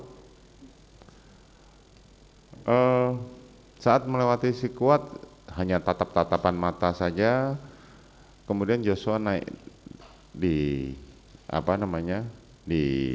hai eh saat melewati si kuat hanya tatap tatapan mata saja kemudian joshua naik di apa namanya di